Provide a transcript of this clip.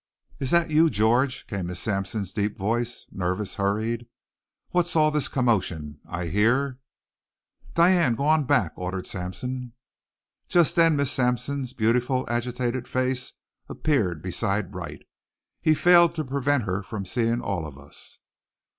"Is that you, George?" came Miss Sampson's deep voice, nervous, hurried. "What's all this commotion? I hear " "Diane, go on back," ordered Sampson. Just then Miss Sampson's beautiful agitated face appeared beside Wright. He failed to prevent her from seeing all of us.